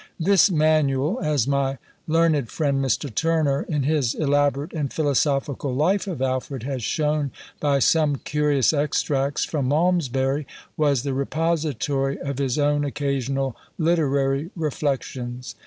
This manual, as my learned friend Mr. Turner, in his elaborate and philosophical Life of Alfred, has shown by some curious extracts from Malmsbury, was the repository of his own occasional literary reflections.